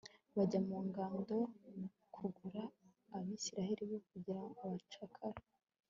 bajya mu ngando kugura abayisraheli bo kugira abacakara